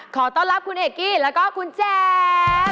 ขอต้อนรับคุณเอกกี้แล้วก็คุณแจ๋ว